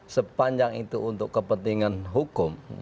sepanjang itu untuk kepentingan hukum